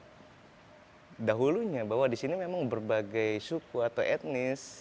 masyarakat dahulunya bahwa disini memang berbagai suku atau etnis